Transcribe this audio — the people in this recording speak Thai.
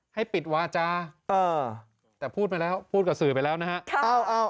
ให้ปิดวาจาแต่พูดไปแล้วพูดกับสื่อไปแล้วนะฮะ